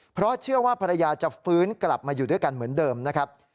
เพราะเชื่อว่าภรรยาจะฟื้นกลับมาอยู่ด้วยกันเหมือนเดิมนะครับ